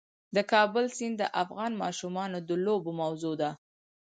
د کابل سیند د افغان ماشومانو د لوبو موضوع ده.